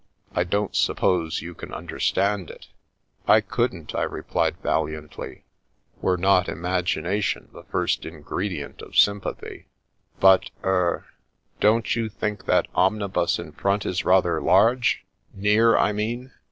I don't suppose you can understand it." Merc6dis to the Rescue 21 " I couldn't," I replied valiantly, " were not im agination the first ingredient of sympathy. But — er — don't you think that omnibus in front is rather large — ^near, I mean?